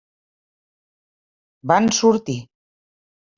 Van sortir.